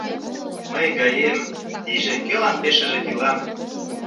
Мый гаем тийже кӧлан пешыже кӱлам?